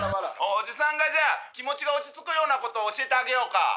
おじさんがじゃあ気持ちが落ち着くようなこと教えてあげようか。